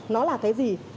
nó là thế gì